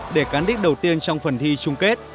để cán đích đầu tiên trong phần thi chung kết